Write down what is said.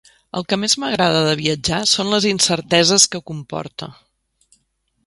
El que més m'agrada de viatjar són les incerteses que comporta.